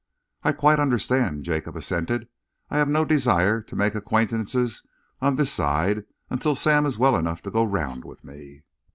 "I quite understand," Jacob assented. "I have no desire to make acquaintances on this side until Sam is well enough to go round with me."